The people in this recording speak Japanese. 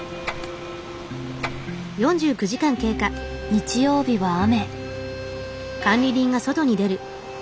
日曜日は雨。